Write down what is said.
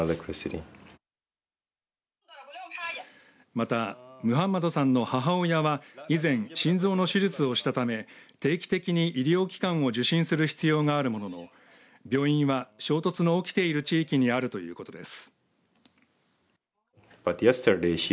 また、ムハンマドさんの母親は以前、心臓の手術をしたため定期的に医療機関を受診する必要があるものの病院は衝突の起きている地域にあるということです。